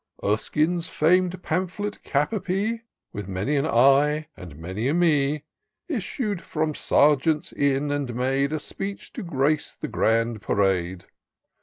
Erskine's fam'd pamphlet cap a pee. With many an /, and many a Jfe, Issu*d from Sergeants' Inn, and made A speech to grace the grand parade.